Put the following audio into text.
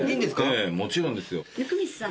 ええもちろんですよ。